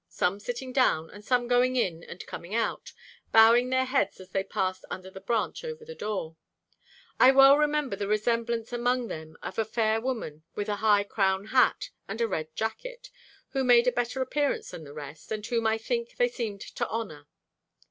Some sitting down, and some going in, and coming out, bowing their heads as they passed under the branch over the door.... I well remember the resemblance among them of a fair woman with a high crown hat and a red jacket, who made a better appearance than the rest, and whom I think they seemed to honour.